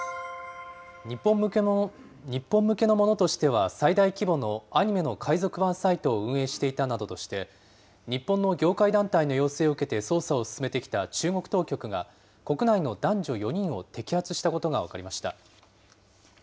日本向けのものとしては最大規模のアニメの海賊版サイトを運営していたなどとして、日本の業界団体の要請を受けて捜査を進めてきた中国当局が、国内の男女４人を摘発したことが分かりました。